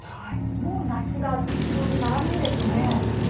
もう梨が店頭に並ぶんですね。